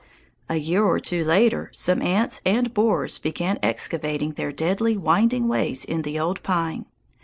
A year or two later some ants and borers began excavating their deadly winding ways in the old pine.